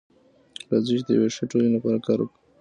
راځئ چي د يوې ښې ټولني لپاره کار وکړو.